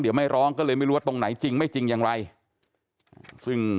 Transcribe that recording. เดี๋ยวไม่ร้องก็เลยไม่รู้ว่าตรงไหนจริงไม่จริงอย่างไรซึ่ง